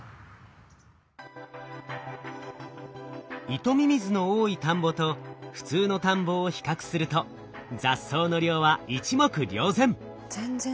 イトミミズの多い田んぼと普通の田んぼを比較すると雑草の量は一目瞭然。